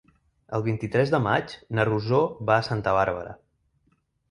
El vint-i-tres de maig na Rosó va a Santa Bàrbara.